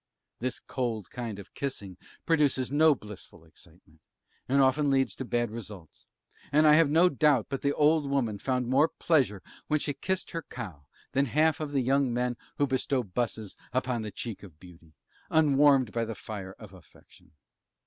This cold kind of kissing produces no blissful excitement, and often leads to bad results; and I have no doubt but the old woman found more pleasure when she kissed her cow, than half of the young men who bestow busses upon the cheek of beauty, unwarmed by the fire of affection.